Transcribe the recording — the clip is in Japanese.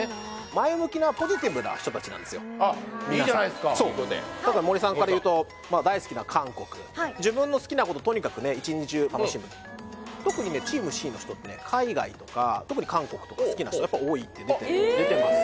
前向きなポジティブな人達なんですよあっいいじゃないですかただ森さんから言うと大好きな韓国自分の好きなこととにかくね一日中楽しむ特にねチームＣの人ってね海外とか特に韓国とか好きな人やっぱ多いって出てます